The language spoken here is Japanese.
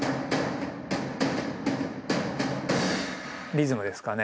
リズムですかね。